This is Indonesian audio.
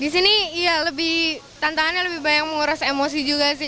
di sini iya lebih tantangannya lebih banyak menguras emosi juga sih